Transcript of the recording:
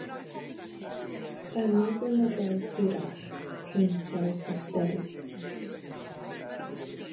Yn ei blynyddoedd hwyrach, peintiai bosteri.